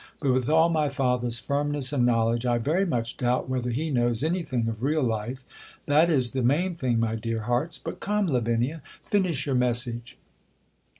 But with all my fether's firmness and knowledge, I very much doubt whether he knows any thing of real life. That is the main thing, my dear hearts. But, come, Lavinia, fin ish your message.